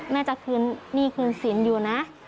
แม่จะคืนหนี้คืนสินอยู่นะ